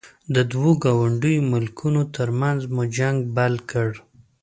د دوو ګاونډیو ملکونو ترمنځ مو جنګ بل کړ.